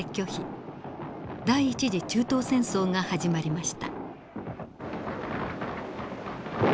第一次中東戦争が始まりました。